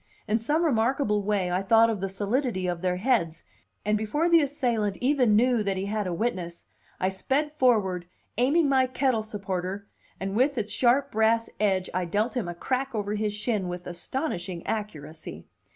In some remarkable way I thought of the solidity of their heads, and before the assailant even knew that he had a witness, I sped forward, aiming my kettle supporter, and with its sharp brass edge I dealt him a crack over his shin with astonishing accuracy.